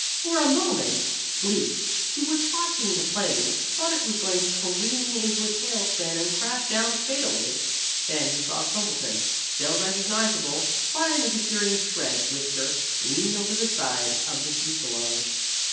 For a moment, Bleak, who was watching the plane, thought it was going to careen into a tail spin and crash down fatally. Then he saw Quimbleton, still recognizable by an adhering shred of whisker, lean over the side of the fuselage.